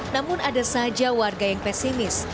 namun ada saja warga yang pesimis